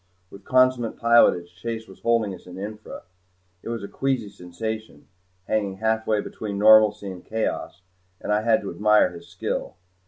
With consummate pilotage Chase was holding us in infra. It was a queasy sensation, hanging halfway between normalcy and chaos, and I had to admire his skill.